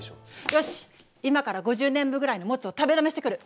よし今から５０年分ぐらいのモツを食べだめしてくる！